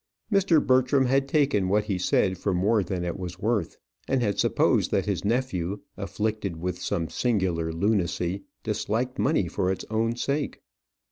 Mr. Bertram had taken what he said for more than it was worth; and had supposed that his nephew, afflicted with some singular lunacy, disliked money for its own sake.